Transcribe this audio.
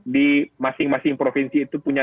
di masing masing provinsi itu punya